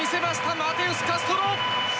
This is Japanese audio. マテウスカストロ！